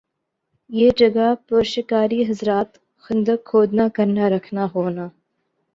یِہ جگہ پر شکاری حضرات خندق کھودنا کرنا رکھنا ہونا